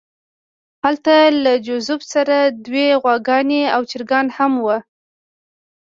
هلته له جوزف سره دوې غواګانې او چرګان هم وو